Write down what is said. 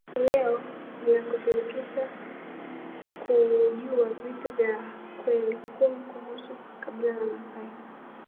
Leo ninakushirikisha kujuwa vitu vya kweli kumi kuhusu kabila la maasai